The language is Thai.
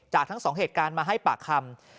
ทั้งสองเหตุการณ์มาให้ปากคำ